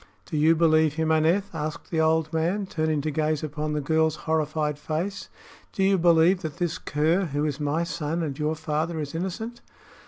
"Do you believe him, Aneth?" asked the old man, turning to gaze upon the girl's horrified face. "Do you believe that this cur, who is my son and your father, is innocent?"